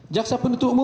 jaksa penuntut umum